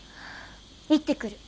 行ってくる。